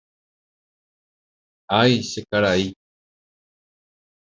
Ái che karai